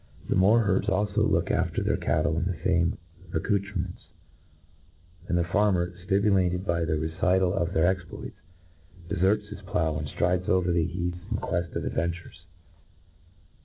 The moor herds alfo look after their cattle in the fame accoutrements ; and the far mer, ftimulated by the recital of their exploits^ deferts his plow, and ftrides over the heath in queft of adventures.